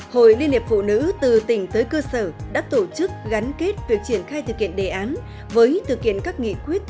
hội liên hiệp phụ nữ từ tỉnh tới cơ sở đã tổ chức gắn kết việc triển khai thực hiện đề án với thực hiện các nghị quyết